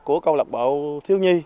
của câu lạc bộ thiếu nhi